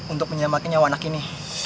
untuk menyelamatkan nyawa anak ini